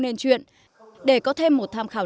nên chuyện để có thêm một tham khảo